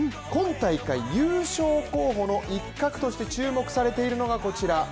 今大会、優勝候補の一角として注目されているのが、こちら。